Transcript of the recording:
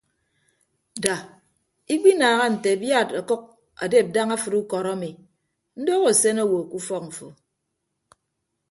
Da ikpinaaha nte abiad ọkʌk adep daña afịd ukọd ami ndoho asen owo ke ufọk mfo.